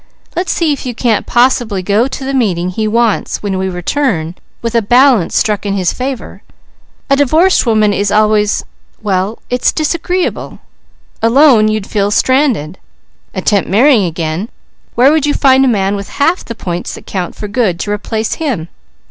Let's see if you can't possibly go to the meeting he wants when we return with a balance struck in his favour. A divorced woman is always well, it's disagreeable. Alone you'd feel stranded. Attempt marrying again, where would you find a man with half the points that count for good, to replace him?